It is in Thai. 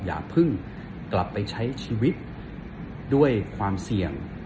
อย่าเพิ่งกลับไปใช้ชีวิตด้วยความเสี่ยง